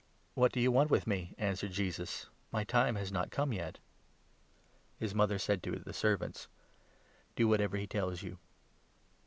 "What do you want with me?" answered Jesus. "My 4 time has not come yet." His mother said to the servants: "Do whatever he tells you."